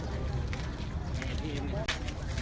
สวัสดีครับคุณผู้ชาย